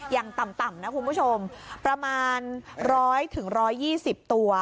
อย่างต่ำต่ำนะคุณผู้ชมประมาณร้อยถึงร้อยยี่สิบตัว